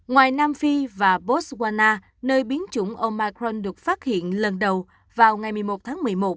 ngoài nam phi và botswana nơi biến chủng omarn được phát hiện lần đầu vào ngày một mươi một tháng một mươi một